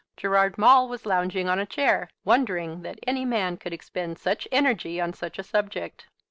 Gerard Maule was lounging on a chair, wondering that any man could expend such energy on such a subject.